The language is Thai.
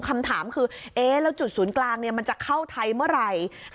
คำถามคือเอ๊ะแล้วจุดศูนย์กลางมันจะเข้าไทยเมื่อไหร่